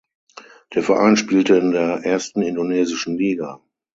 Der Verein spielte in der ersten indonesischen Liga.